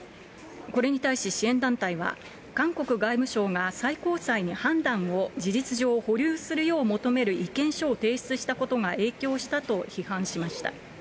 これに対し支援団体は、韓国外務省が最高裁に判断を事実上保留するよう求める意見書を提出したことが影響したと批判しました。